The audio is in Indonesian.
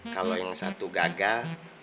kalau yang satu gagal